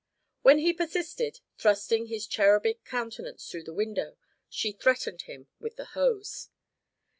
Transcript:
When he persisted, thrusting his cherubic countenance through the window, she threatened him with the hose.